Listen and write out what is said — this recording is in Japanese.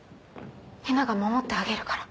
ヒナが守ってあげるから。